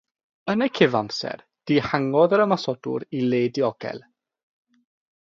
Yn y cyfamser, dihangodd yr ymosodwr i le diogel.